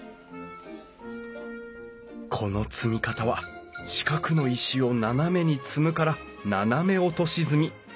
この積み方は四角の石を斜めに積むから斜め落とし積み。